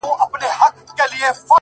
د ورورولۍ په معنا؛